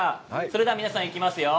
それでは、皆さん、いきますよ。